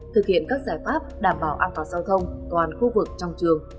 thực hiện các giải pháp đảm bảo an toàn giao thông toàn khu vực trong trường